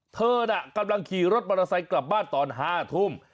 เธอน่ะกำลังขี่รถมอเตอร์ไซค์กลับบ้านตอน๕ทุ่ม